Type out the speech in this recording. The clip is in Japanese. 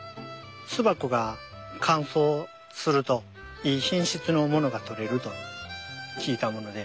巣箱が乾燥するといい品質のものが取れると聞いたもので。